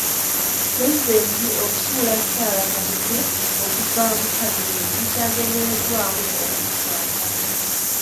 Pulezidenti okusuula Sarah Kanyike okuva mu kabineeti kyagendereddwamu okumuswaza.